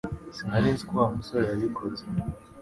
Sinari nzi ko Wa musore yabikoze